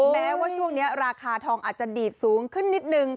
แม้ว่าช่วงนี้ราคาทองอาจจะดีดสูงขึ้นนิดนึง